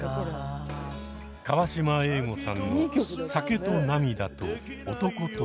河島英五さんの「酒と泪と男と女」。